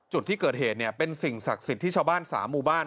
จุดที่เกิดเหตุเนี่ยเป็นสิ่งศักดิ์สิทธิ์ที่ชาวบ้าน๓หมู่บ้าน